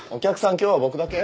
今日は僕だけ？